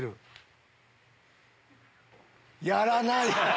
やらない！